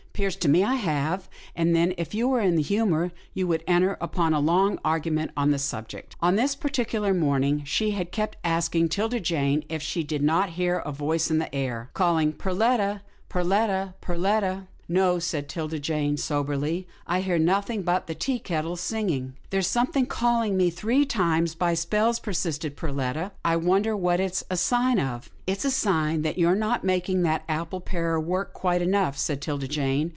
'Pears to me I have," and then, if he were in the humour, they would enter upon a long argument on the subject. On this particular morning, she had kept asking 'Tilda Jane if she did not hear a voice in the air, calling, "Perletta! Perletta! Perletta!" " No," said 'Tilda Jane, soberly, " I hear noth ing but the tea kettle singing." " There's something calling me three times by spells," persisted Perletta. " I wonder what it's a sign of? "" It's a sign that you're not making that apple parer work quick enough," said 'Tilda Jane.